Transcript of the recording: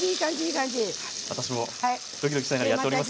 私もドキドキしながらやっております。